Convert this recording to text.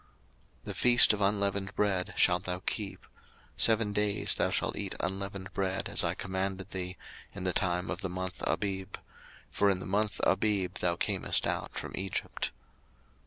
02:034:018 The feast of unleavened bread shalt thou keep. Seven days thou shalt eat unleavened bread, as I commanded thee, in the time of the month Abib: for in the month Abib thou camest out from Egypt.